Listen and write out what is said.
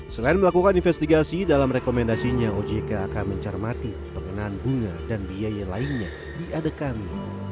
selain melakukan investigasi dalam rekomendasinya ojk akan mencermati pengenaan bunga dan biaya lainnya di ada kami